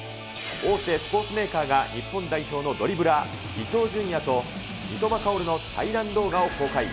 大手スポーツメーカーが、日本代表のドリブラー、伊東純也と、三笘薫の対談動画を公開。